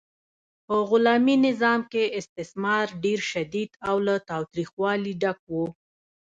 په غلامي نظام کې استثمار ډیر شدید او له تاوتریخوالي ډک و.